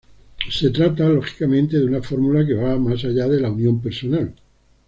Se trata, lógicamente, de una fórmula que va más allá de la Unión Personal.